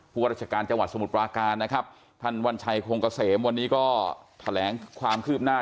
ราชการจังหวัดสมุทรปราการนะครับท่านวัญชัยโครงเกษมวันนี้ก็แถลงความคืบหน้า